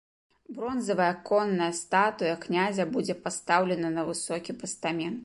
Бронзавая конная статуя князя будзе пастаўлена на высокі пастамент.